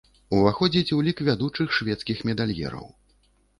Уваходзіць у лік вядучых шведскіх медальераў.